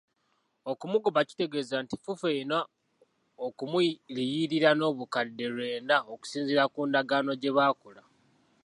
Okumugoba kitegeeza nti FUFA erina okumuliyirira n'obukadde lwenda okusinziira ku ndagaano gye baakola.